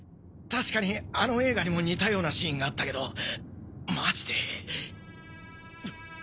確かにあの映画にも似たようなシーンがあったけどマジで？